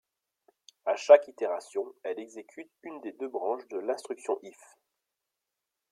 À chaque itération, elle exécute une des deux branches de l'instruction if.